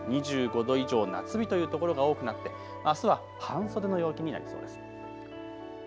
２５度以上夏日という所が多くなって、あすは半袖の陽気になりそうです。